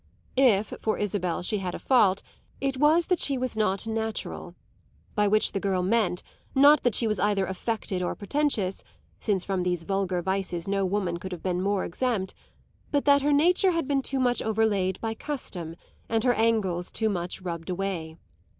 If for Isabel she had a fault it was that she was not natural; by which the girl meant, not that she was either affected or pretentious, since from these vulgar vices no woman could have been more exempt, but that her nature had been too much overlaid by custom and her angles too much rubbed away.